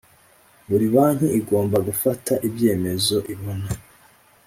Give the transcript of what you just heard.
Buri banki igomba gufata ibyemezo ibona